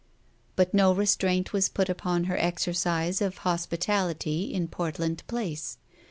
But no restraint was put upon her exercise of hospi tality in Portland Place.